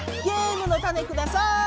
ゲームのタネください！